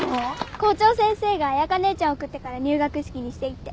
校長先生が彩佳ねえちゃん送ってから入学式にしていいって。